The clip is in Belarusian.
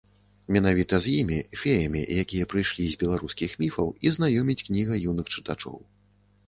Менавіта з імі, феямі, якія прыйшлі з беларускіх міфаў, і знаёміць кніга юных чытачоў.